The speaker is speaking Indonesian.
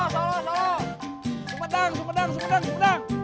sumedang sumedang sumedang